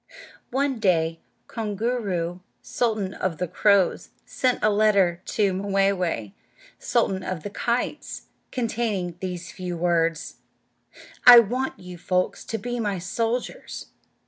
One day Koongoo'roo, sultan of the crows, sent a letter to Mway'way, sultan of the kites, containing these few words: "I want you folks to be my soldiers."